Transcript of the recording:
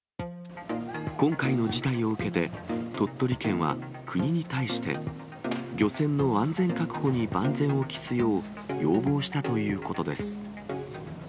今回の事態を受けて、鳥取県は国に対して、漁船の安全確保に万全を期すよう要望したということです。